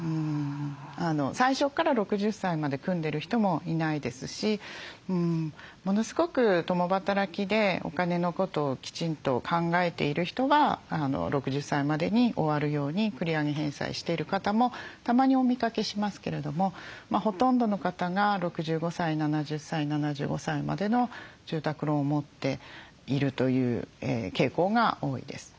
最初から６０歳まで組んでる人もいないですしものすごく共働きでお金のことをきちんと考えている人は６０歳までに終わるように繰り上げ返済している方もたまにお見かけしますけれどもほとんどの方が６５歳７０歳７５歳までの住宅ローンを持っているという傾向が多いです。